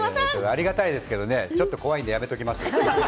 ありがたいですけれども、ちょっと怖いのでやめておきます。